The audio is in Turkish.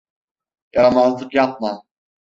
Yaramazlık yapma.